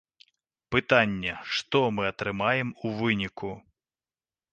Пытанне, што мы атрымаем у выніку?